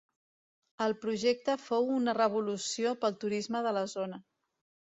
El projecte fou una revolució pel turisme de la zona.